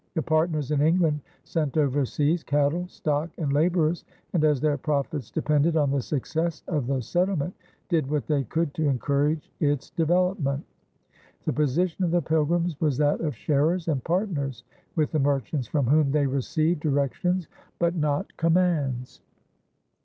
The partners in England sent overseas cattle, stock, and laborers, and, as their profits depended on the success of the settlement, did what they could to encourage its development. The position of the Pilgrims was that of sharers and partners with the merchants, from whom they received directions but not commands.